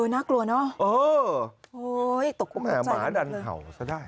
น่ากลัวเนอะโอ๊ยตกกว่าข้อใจแล้วค่ะเนอะ